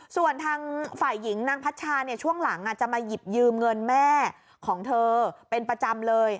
ส่วนทางฝ่ายหญิงนางพัชชาเนี่ยช่วงหลังจะมาหยิบยืมเงินแม่ของเธอเป็นประจำเลย